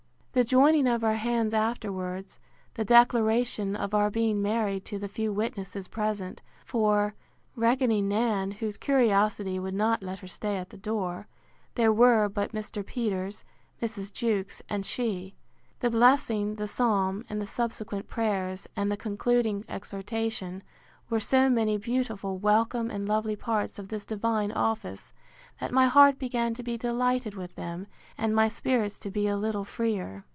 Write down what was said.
The joining of our hands afterwards, the declaration of our being married to the few witnesses present; for, reckoning Nan, whose curiosity would not let her stay at the door, there were but Mr. Peters, Mrs. Jewkes, and she; the blessing, the psalm, and the subsequent prayers, and the concluding exhortation; were so many beautiful, welcome, and lovely parts of this divine office, that my heart began to be delighted with them; and my spirits to be a little freer.